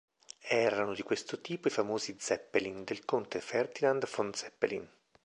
Erano di questo tipo i famosi "Zeppelin" del conte Ferdinand von Zeppelin.